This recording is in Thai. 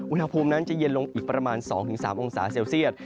อุณหภูมินั้นจะเย็นลงอีกประมาณ๒๓องศาเซลเซียต